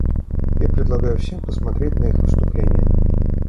Я предлагаю всем посмотреть на их выступление.